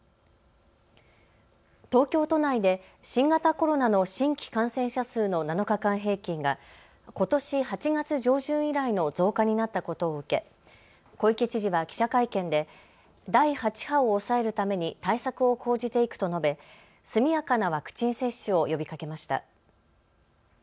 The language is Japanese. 東京都内で新型コロナの新規感染者数の７日間平均がことし８月上旬以来の増加になったことを受け小池知事は記者会見で第８波を抑えるために対策を講じていくと述べ、速やかなワクチン接種を呼びかけました。